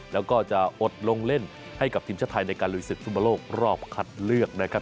แล้วก็จะอดลงเล่นให้กับทีมชาติไทยในการลุยศึกฟุตบอลโลกรอบคัดเลือกนะครับ